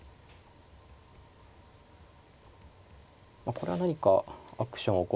これは何かアクションを起こす。